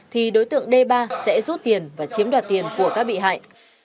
thì đối tượng d ba sẽ rút tiền và chiếm đoạt tiền của các bị hại